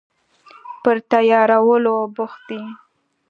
پر تیارولو بوخت دي